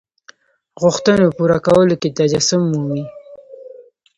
غوښتنو پوره کولو کې تجسم مومي.